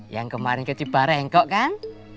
yang kemarin kecik bareng kok kan